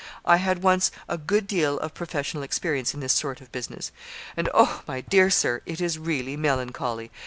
I had once a good deal of professional experience in this sort of business; and, oh! my dear Sir, it is really melancholy!'